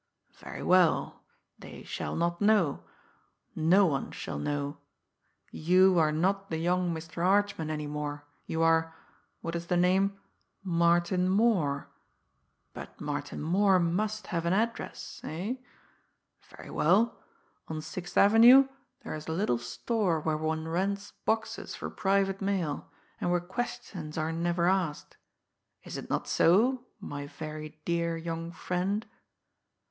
Very well! They shall not know no one shall know. You are not the young Mr. Archman any more, you are what is the name? Martin Moore. But Martin Moore must have an address, eh? Very well! On Sixth Avenue there is a little store where one rents boxes for private mail, and where questions are never asked is it not so, my very dear young friend?"